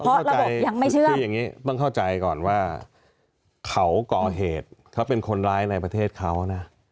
ใส่เพราะระบบยังไม่เชื่อมต้องเข้าใจก่อนว่าเขาก่อเหตุเขาเป็นคนร้ายในประเทศเขานะ